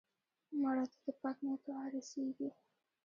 مړه ته د پاک نیت دعا رسېږي